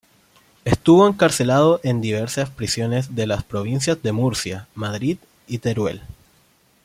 Estuvo encarcelado en diversas prisiones de las provincias de Murcia, Madrid y Teruel.